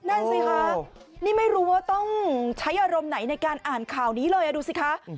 นั่นสิคะนี่ไม่รู้ว่าต้องใช้อารมณ์ไหนในการอ่านข่าวนี้เลยดูสิคะ